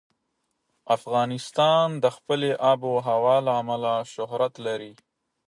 افغانستان د خپلې آب وهوا له امله شهرت لري.